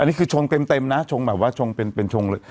อันนี้คือชงเต็มนะชงแบบว่าชงเป็นชงเลย